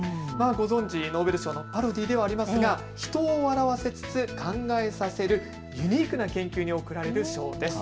ご存じノーベル賞のパロディーではありますが人を笑わせつつ考えさせるユニークな研究に贈られる賞です。